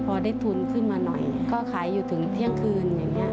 พอได้ทุนขึ้นมาหน่อยก็ขายอยู่ถึงเที่ยงคืนอย่างนี้